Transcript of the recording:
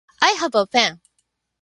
I have a pen.